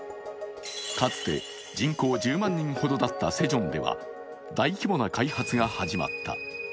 かつて人口１０万人ほどだったセジョンでは大規模な開発が始まった。